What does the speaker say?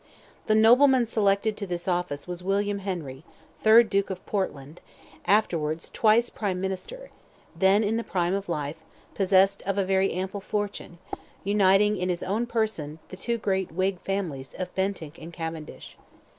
The nobleman selected to this office was William Henry, third Duke of Portland, afterwards twice prime minister; then in the prime of life, possessed of a very ample fortune, and uniting in his own person the two great Whig families of Bentinck and Cavendish.